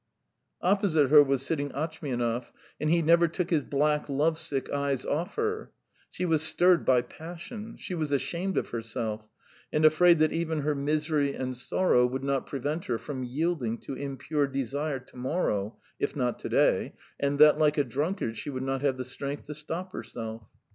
Opposite her was sitting Atchmianov, and he never took his black, love sick eyes off her. She was stirred by passion; she was ashamed of herself, and afraid that even her misery and sorrow would not prevent her from yielding to impure desire to morrow, if not to day and that, like a drunkard, she would not have the strength to stop herself.